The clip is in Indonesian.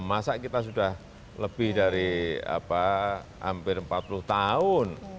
masa kita sudah lebih dari hampir empat puluh tahun